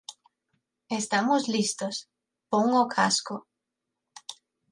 Estamos listos! Pon o casco.